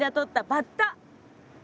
バッタ？